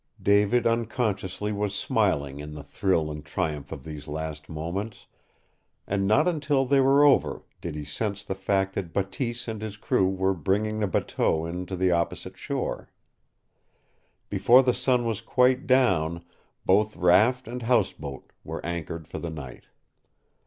David unconsciously was smiling in the thrill and triumph of these last moments, and not until they were over did he sense the fact that Bateese and his crew were bringing the bateau in to the opposite shore. Before the sun was quite down, both raft and house boat were anchored for the night.